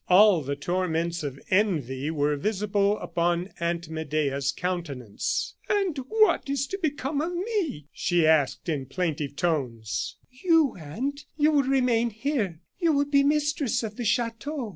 All the torments of envy were visible upon Aunt Medea's countenance. "'And what is to become of me?" she asked, in plaintive tones. "You, aunt! You will remain here; you will be mistress of the chateau.